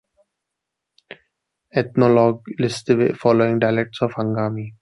"Ethnologue" lists the following dialects of Angami.